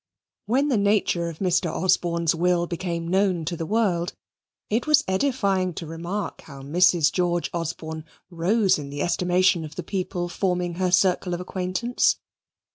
When the nature of Mr. Osborne's will became known to the world, it was edifying to remark how Mrs. George Osborne rose in the estimation of the people forming her circle of acquaintance.